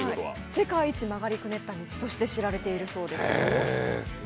世界一曲がりくねった道として知られているそうです。